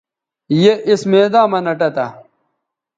بے اِس میداں مہ نہ ٹہ تھا